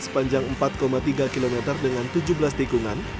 sepanjang empat tiga km dengan tujuh belas tikungan